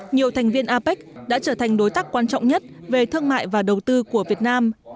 nhiều thành viên apec đã trở thành đối tác quan trọng nhất về thương mại và đầu tư của việt nam